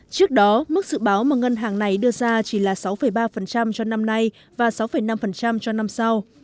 trước đó mức dự báo mà ngân hàng này đưa ra chỉ là sáu ba cho năm nay và sáu năm cho năm sau